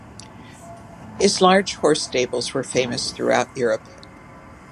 His large horse stables were famous throughout Europe.